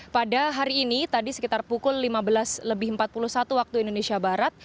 pada hari ini tadi sekitar pukul lima belas lebih empat puluh satu waktu indonesia barat